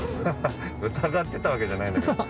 疑ってたわけじゃないんだけど。